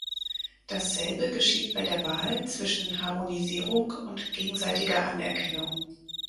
Dasselbe geschieht bei der Wahl zwischen Harmonisierung und gegenseitiger Anerkennung.